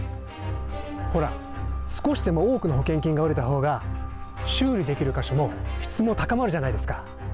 ほら、少しでも多くの保険金が下りたほうが修理できる箇所も質も高まるじゃないですか。